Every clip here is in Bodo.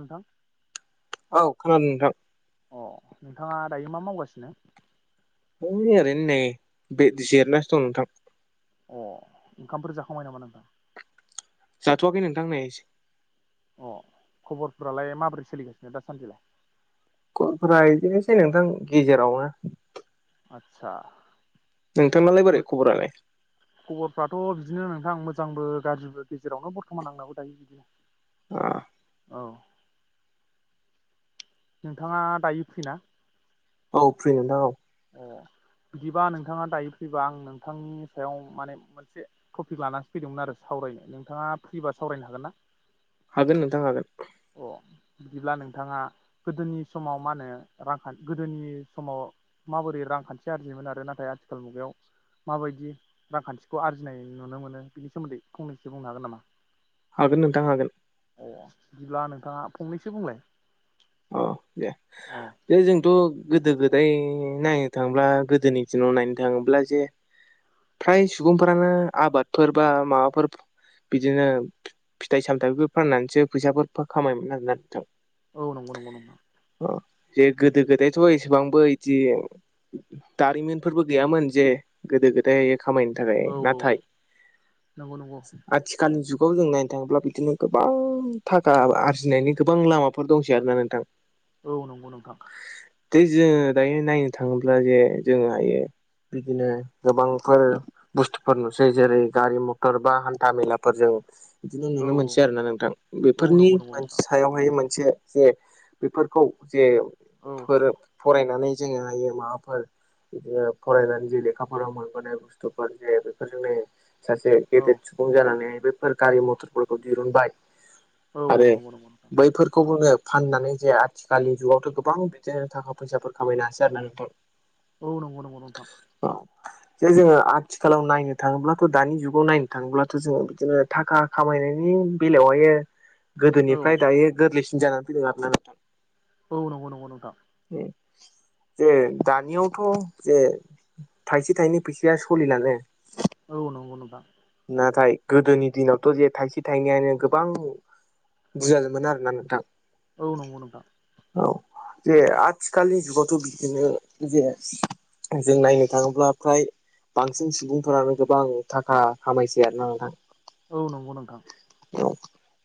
नोंथां औ खोनादों नोंथां। अ नोंथाङा दायो मा मावगासिनो? ओरैनो नै बे जिरनासो दं नोंथां। अ ओंखामफोर जाखांबाय नामा नोंथां? जाथ'वाखै नोंथां नै अ खबरफ्रालाय माबोरै सोलिगासिनो दासानदिलाय? खबरफोरा इदिनोसै नोंथां गेजेरावनो। आथसा। नोंथांनालाय बोरै खबरालाय? खबरफ्राथ' बिदिनो नोंथां मोजांबो गाज्रिबो गेजेरावनो बर्थमान आंनाबो दायो। [unintelligible] औ। नोंथाङा दायो फ्रि ना? औ फ्रि नोंथां औ। [unintelligible] बिदिबा नोंथाङा दायो फैबा आं नोंथांनि सायाव माने मोनसे टपिक लानासाफैदोंमोन आरो साव नोंथाङा फ्रि बा सावरायनो हागोन ना? हागोन नोंथां हागोन अ बिदिब्ला नोंथाङा गोदोनि समाव मा होनो रांखान्थि गोदोनि समाव माबोरै रांखान्थि आरजियोमोन आरो नाथाय आथिखाल मुगायाव माबायदि रांखान्थिखौ आरजिनाय नुनो मोनो बिनि सोमोन्दै फंनैसो बुंनो हागोन नामा? हागोन नोंथां हागोन। अ बिदिब्ला नोंथाङा फंनैसो बुंलाय औ दे औ बे जोंथ ' गोदो गोदाय नायनो थांब्ला गोदोनि दिनाव नायनो थाङोब्ला जे फ्राय सुबुंफोरानो आबादफोर बा माबाफोर बिदिनो फिथाइ सामथाइफोर फाननानैसो फैसाफोर खामायोमोन आरोना नोंथां। औ नंगौ नंगौ नंगौ जे गोदो गोदायथ' एसेबांबो बिदि दारिमिनफोरबो गैयामोन जे गोदो गोदाय खामायनो थाखाय औ औ नाथाय नंगौ नंगौ आथिखालनि जु खौ जों नायनो थाङोब्ला बिदिनो गोबां थाखा आरजिनायनि गोबां लामाफोर दंसै आरोना नोंथां। औ नंगौ नोंथां। दे जोङो दायो नायनो थाङोब्ला जे जोङो हायो बिदिनो गोबांफोर बुस्थुफोर नुसै जेरै गारि मथर बा हान्था मेलाफोरजों बिदिनो औ नुनो मोनसै आरोना नोंथां औ बेफोरनि नंगौ नंगौ नोंथां सायावहाय मोनसे जे बेफोरखौ जे औ फोर फरायनानै जोङो हायो माबाफोर बिदिनो फरायनानै जे लेखाफोराव मोनबोनाय बुस्थुफोर जे बेफोर जोंनि सासे औ गेदेर सुबुं जानानै बेफोर गारि मथरफोरखौ दिहुनबाय औ आरो नंगौ नंगौ नोंथां बैफोरखौ फाननानै जे आथिखालनि जुगावथ' गोबां बिदिनो थाखा फैसाफोर खामायनो हासै आरो ना नोंथां। औ नंगौ- नंगौ नोंथां जे जोङो आथिखालाव नायनो थाङोब्लाथ' दानि जुगाव नायनो थाङोब्लाथ' जोङो बिऔऔऔदिनो थाखा खामा खामायनायनि बेलायावहाय औ गोदोनिफ्राय दायो गोरलैसिन जानानै फैदों आरोना नोंथां औ नंगौ नंगौ नोंथां जे दानियावथ' जे थाइसे थाइनै फैसाया सोलिलानो औ नंगौ नोंथां नाथाय गोदोनि दिनावथ' जे थाइसे थाइनैआनो गोबां [unintelligible] आरोना नोंथां औ नंगौ नोंथां औ जे आथिखालनि जुगावथ' बिदिनो जे जों नायनो थाङोब्ला फ्राय बांसिन सुबुंफोरानो गोबां थाखा खामायसै आरो ना नोंथां। औ नंगौ नोंथां।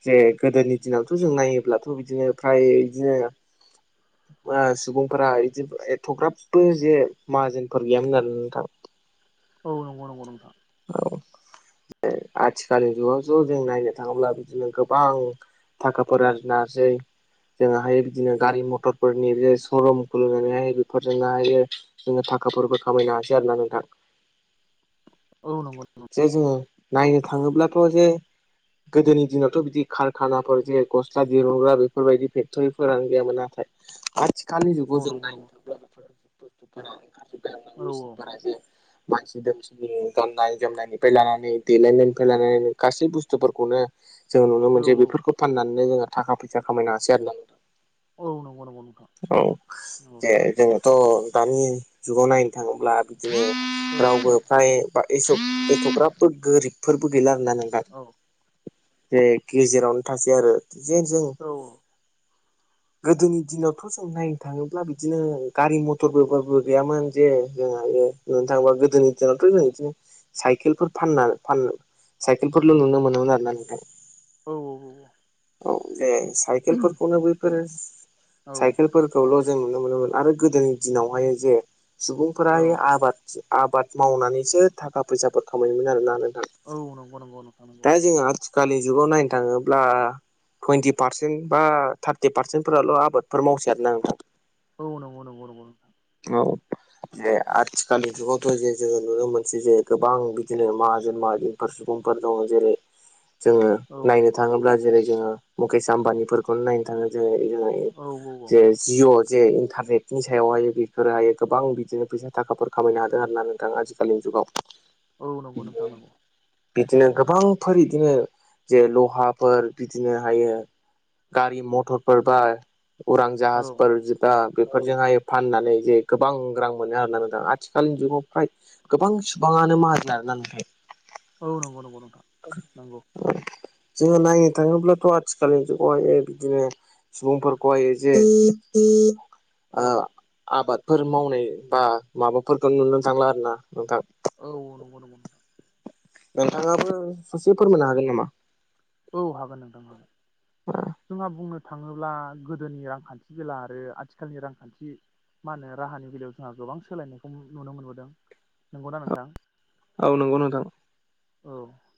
जे गोदोनि दिनावथ' जों नायोब्लाथ' बिदिनो फ्राय बिदिनो [inaudible] बा सुबुंफोरा इदि एथ'ग्राबबो जे माहाजोनफोर गैयामोन आरो नोंथां। औ नंगौ नंगौ नोंथां। औ आथिखालनि जुगाव जे जों नायनो थाङोब्ला बिदिनो गोबां थाखाफोरा आरजिनो हासै जोङो हायो बिदिनो गारि मथरफोरनि जे स'रूम खुलिनानैहाय बेफोरजोंनो हायो जोङो था थाखाफोरबो खामायनो हासै आरो ना नोंथां। [inaudible] नंगौ नंगौ जे जोङो नायनो थाङोब्लाथ' जे गोदोनि दिनावथ' बिदि कारखानाफोर जेरै गस्ला दिरुनग्रा बेफोरबायदि फेक्ट'रिफोरानो गैयामोन, नाथाय [unintelligible] आथिखालनि औ जुगाव जों नंगौ नायनो नंगौ थाङोब्ला बेफोर बुस्तुफोरा ओंखारजोब्बाय औ आरोना मेचिनफोरा जे मानसि दोमसिनि गाननाय जोमनायनिफ्राय लानानै देलायनायनिफ्राय लानानै गासै बुस्थुफोरखौनो जों नुनो मोनसै औ बेफोरखौ फाननानैनो जोङो थाखा फैसा खामायनो हासै आरो ना नोंथां। औ नंगौ नंगौ नों औ, जे जोङोथ' दानि जुगाव नायनो थाङोमोन ब्ला बिदिनो रावबो फ्राय बा एस-एथ'ग्राबबो गोरिबफोरबो गैला ना नोंथां, औ जे गेजेरावनो थासै आरो जे जों औ गोदोनि दिनावथ' जों नायनो थाङोब्ला बिदिनो गारि मथरबोफोरबो गैयामोन जे जों [unintelligible] बुंनो थाङोबा गोदोनि दिनावथ' जों इदिनो साइकेलफोर फानना फान साइकेलफोरल' नुनो मोनोमोन आरोना नोंथां। औ औ औ व औ जे साइकेलफोरखौनो बैफोर औ साइकेलफोरखौल' जों नुनो मोनोमोन आरो गोदोनि दिनावहाय जे औ सुबुंफोरहाय आबाद थि आबाद मावनानैसो थाखा फैसाफोर खामायोमोन आरोना नों औ नंगौ नंगौ नो दा जोङो आथिखालनि जुगाव नायनो थाङोब्ला टुइन्टि पारसेन्ट बा थार्टि पारसेन्टफोराल' आबादफोर मावसै आरो ना नोंथां औ नंगौ नंगौ नंगौ नोंथां। जे औ आथिखालनि जुगावथ' जे जोङो नुनो मोनसै जोङो गोबां बिदिनो माहाजोन माहाजोन फार सुबुंफोर दङ जेरै जोङो औ नायनो थाङोब्ला जेरै जोङो मुकेश आम्बानिफोरखौनो नायनो थाङो जेरै जोङो औ जे जिअ जे इन्टारनेटनि सायावहाय बेफोरोहायो गोबां बिदिनो फैसा थाखाफोर खामायनो हादों आरो ना नोंथां आथिखालनि जुगाव। औ नंगौ नोंथां नंगौ। बिदिनो गोबांफोर इदिनो जे लहाफोर बिदिनो हायो गारि मथरफोर बा उरां औ जाहाजफोरजो बा बेफोरजोंहाय फाननानै जे गोबां रां मोनो आरो ना नोंथां आथिखालनि जुगाव फ्राय गोबां सुबुं गोबाङानो माहाजोन आरोना नाथाइ औ नंगौ नंगौ नोंथां नंगौ। जोङो नायनो थाङोब्लाथ' आथिखालनि जुगावहाय बिदिनो सुबुंफोरखौ हाय जे आ औ आबादफोर मावनाय बा माबाफोरखौ नुनो थांला आरो ना नोंथां। औ औ नंगौ नंगौ। नोंथाङाबो ससे फोरमायनो हागोन नामा? औ हागोन नोंथां हागोन। जोंहा बुंनो थाङोब्ला गोदोनि रांखान्थि बेला आरो आथिखालनि रांखान्थि मा होनो राहानि बेलायाव जोंहा गोबां सोलायनायखौ नुनो मोनबोदों, नंगौना नोंथां? औ नंगौ नोंथां। औ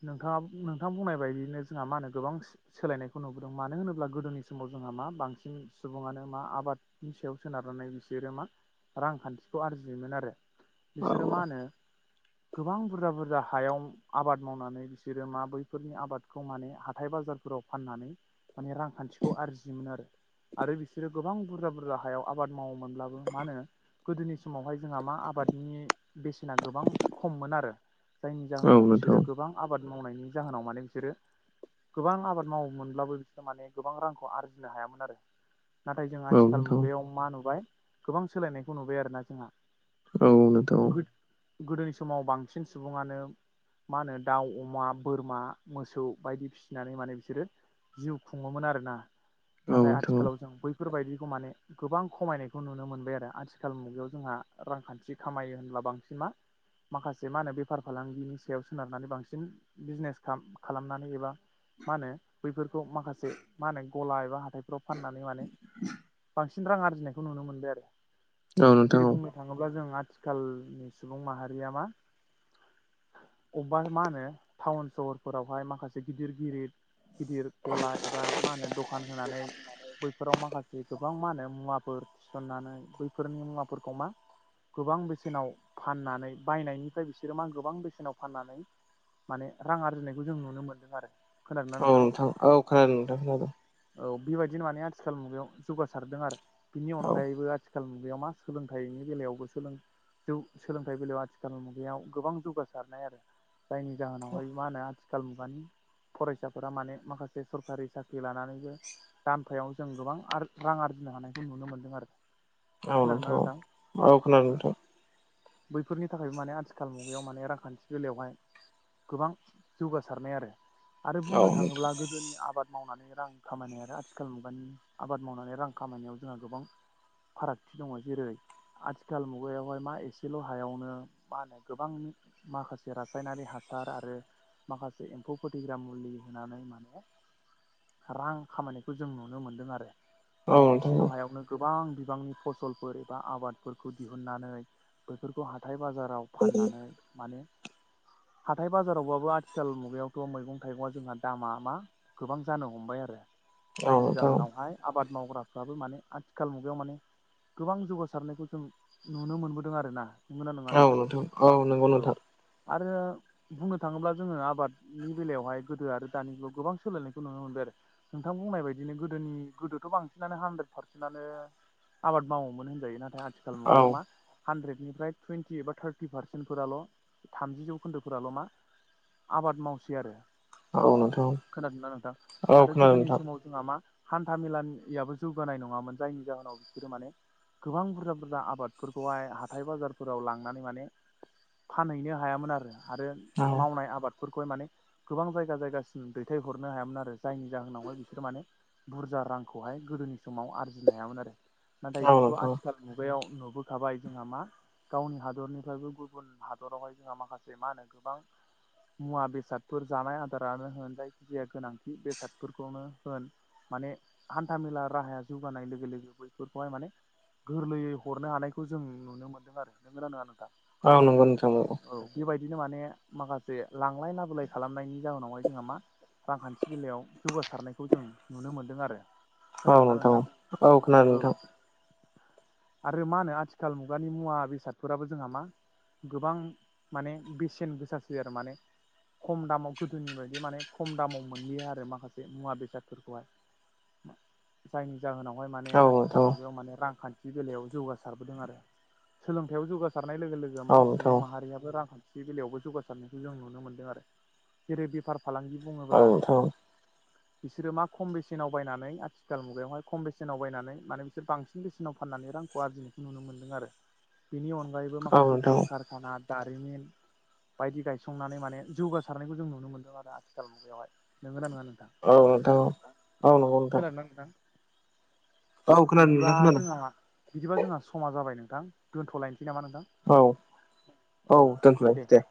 नोंथाङा नोंथां बुंनाय बायदियनो जोंहा मा होनो गोबां सोलायनायखौ नुबोदों मानो होनोब्ला गोदोनि समाव जोंहा- मा बांसिन सुबुङानो मा आबादनि सायाव सोनारनानै बिसोरो मा- रांखान्थिखौ आरजियोमोन आरो। औ बिसोरो मा होनो गोबां बुरजा बुरजा हायाव- आबाद मावनानै बिसोरो मा बैफोरनि आबादखौ माने हाथाइ बाजारफोराव फाननानै माने रांखान्थि थिखौ आरजियोमोन आरो। आरो बिसोरो गोबां बुरजा बुरजा हायाव आबाद मावोमोनब्लाबो मा होनो गोदोनि समावहाय जोंहा मा आबादनि बेसेना गोबां खममोन आरो। जायनि औ जाहोनाव बिसोरो नोंथां गोबां आबाद मावनायनि जाहोनाव माने बिसोरो गोबां आबाद मावोमोनब्लाबो बिसोरो माने गोबां रांखौ आरजिनो हायामोन आरो। नाथाय जों औ आथिखाल नोंथां मुगायाव मा नुबाय गोबां सोलायनायखौ नुबाय आरोना जोंहा। औ नोंथां गोद गोदोनि समाव बांसिन सुबुङानो मा होनो दाउ अमा बोरमा मोसौ बायदि फिसिनानै माने बिसोरो जिउ खुंङोमोन आरोना औ नाथाय नोंथां आथिखालाव जों बै बेफोरबायदिखौ माने गोबां खमायनायखौ नुनो मोनबाय आरो आथिखाल मुगायाव जोंहा रांखान्थि खामायो होनब्ला बांसिन मा माखासे मा होनो बेफार फालांगिनि सायाव सोनारनानै बांसिन बिजनेस खाम खालामनानै एबा मा होनो बैफोरखौ माखासे मा होनो गला एबा हाथायफ्राव फाननानै माने बांसिन रां आरजिनायखौ नुनो मोनबाय आरो। औ नोंथां जेरै बुंनो थांङोब्ला जों आथिखालनि सुबुं माहारिया मा अबा मा होनो टाउन सहरफोरावहाय माखासे गिदिर गिदिर गिदिर गला एबा मा होनो दखान होनानै बैफोराव माखासे गोबां मा होनो मुवाफोर थिसननानै बैफोरनि मुवाफोरखौ मा गोबां बेसेनाव फाननानै बायनायनिफ्राय बिसोरो मा गोबां बेसेन नाव फाननानै माने रां आरजिनायखौ जों नुनो मोनदों आरो। औ नोंथां औ खोनादों नोंथां खोनादों। औ बेबायदिनो माने आथिखाल मुगायाव जौगासारदों आरो बिनि औ अनगायैबो आथिखा खाल मुगायाव मा सोलोंथाइनि बेलायावबो सोलों जौ सोलोंथाइ बेलायाव आथिखाल मुगायाव गोबां जौगा सारनाय आरो जायनि जाहोनावहाय मा होनो आथिखाल मुगानि फरायसाफोरा माने माखासे सरखारि साख्रि लानानैबो दामफायाव जों गोबां आर रां आरजिनो हानायखौ नुनो मोन्दों आरो। औ नोंथां औ। औ खोनादों नोंथां। बैफोरनि थाखायबो माने आथिखाल मुगायाव माने रांखान्थि बेलायावहाय गोबां जौगासारनाय आरो आरो औ बुंनो थांङोब्ला गोदोनि आबाद मावनानै रां खामायनाय आरो आथिखाल मुगानि आबाद मावनानै रां खामायनायाव जोंहा गोबां फारागथि दंङ जेरै आथिखाल मुगायावहाय मा एसे सेल' हायावनो मा होनो गोबां माखासे रासायनारि हासार आरो माखासे एमफ फौ फोथैग्रा मुलि होनानै माने रां खामायनायखौ जों नुनो मोन्दों आरो। माने नोंथां एसेल' हायावनो गोबां बिबांनि फसलफोर एबा आबादफोरखौ दिहुननानै बेफोरखौ हाथाय बाजाराव फाननानै माने हाथाय बाजारावबाबो आथिखाल मुगायावथ' मैगं थाइगंआ जोंहा दामा मा गोबां जानो हमबाय आरो। औ नोंथां औ जायनि नोंथां जाहोनावहाय आबाद मावग्राफ्राबो माने आथिखाल मुगायाव माने गोबां जौगासारनायखौ जों नुनो मोनबो दों आरोना। औ नोंथां औ नोंगौ नोंथां। आरो बुंनो थांङोब्ला जोंङो आबादनि बेलायावहाय गोदो आरो दानि जुगाव गोबां सोलायनायखौ नुनो मोनबाय आरो। नोंथां बुंनाय बायदिनो गोदोनि गोदोथ' बांसिनानो हानद्रेद पारसेन्टनो आबाद मावोमोन होनजायो नाथाय आथिखाल औ मुगायाव मा हानद्रेदनिफ्राय टुइन्टि एबा थार्टि पारसेन्टफोराल' थामजि जौखोन्दोफोराल' मा आबाद मावसै आरो। औ नोंथां खोनादोंना नोंथां? औ आरो खोनादों गोदोनि नोंथां समाव जोंहा मा हान्था मेलानियाबो जौगानाय नंङामोन जायनि जाहोनाव बिसोरो माने गोबां बुरजा बुरजा आबादफोरखौहाय हाथाय बाजारफोराव लांनानै माने फानहैनो हायामोन आरो आरो औ मावनाय आबाद फोरखौहाय माने गोबां जायगा जायगासिम दैथाय हरनो हायामोन आरो जायनि जाहोनावहाय बिसोर माने बुरजा रांखौहाय गोदोनि समाव आरजिनो हायामोन आरो नाथाय औ जोंथ' नोंथां आथिखाल मुगायाव नुबोखाबाय जोंहा मा गावनि हादरनिफ्रायबो गुबुन हादरावहाय जोंहा माखासे मा होनो गोबां मुवा बेसादफोर जानाय आदारानो होन जायखिजाया गोनांथि बेसादफोरखौनो होन माने हान्था मेला राहाया जौगानाय लोगो लोगो बैफोरखौहाय माने गोरलैयै हरनो हानायखौ जों नुनो मोनदों आरो नोंगोना नंङा नोंथां? औ नंगौ नोंथां नंगौ। बिदिनो माने माखासे लांलाय लाबोलाय खालामनायनि जाहोनावहाय जोंहा मा रांखान्थि बेलायाव जौगासारनायखौ जों नुनो मोन्दों आरो औ नोंथां औ औ खोनादों नोंथां आरो मा होनो आथिखाल मुगानि मुवा बेसादफोराबो जोंहा मा गोबां माने बेसेन गोसासै आरो माने खम दामाव गोदोनि बायदि माने खम दामाव मोनलियो आरो माखासे मुवा बेसादफोरखौहाय जायनि जाहोनावहाय माने औ आथिखाल नोंथां मुगायाव माने रांखान्थि बेलायाव जौगासार नुदों आरो सोलोंथायाव जौगासारनाय लोगो लोगो मा औ नोंथां औ नोंथां सुबुं माहारियाबो रांखान्थि बेलायावबो जौगासारनायखौ जों नुनो मोनदों आरो जेरै बेफार फालांगि औ बुङोब्ला बिसोरो मा खम बेसेनाव बायनानै आथिखाल मुगायावहाय खम बेसेनाव बायनानै माने बिसोर बांसिन बेसेनाव फाननानै रांखौ आरजिनायखौ नुनो मोन्दों आरो बेनि अनगायैबो माखासे नोंथां कलकारखाना दारिमिन बायदि गायसंनानै माने जौगासारनायखौ जों नुनो मोनदों आरो आथिखाल मुगायावहाय नोंगोना नङा नोंथां औ नोंथां औ औ नंगौ नोंथां। औ खोनादों बिदिबा नोंथां खोनादों जोंहा बिदिबा जोंहा समा जाबाय नोंथां दोनथ'लाय औ औ दोनथबाय दे।